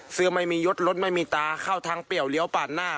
เสื้อไม่มียศรถไม่มีตาเข้าทางเปรี้ยวเลี้ยวปาดหน้า